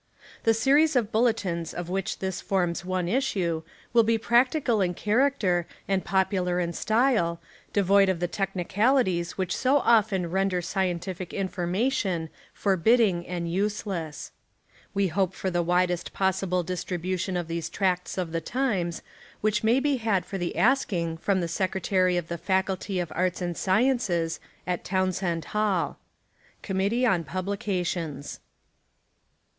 The series of bulletins of which this forms one issue will be practical in character and popular in style, devoid of the technicali ties wliich so often render scientific infor mation forbidding and useless. We hope for the widest possible distribution of '. these tracts of the times, which may be had for the asking from the Secretary of the Faculty of Arts and Sciences, at Town send Hall. Committee on Publications.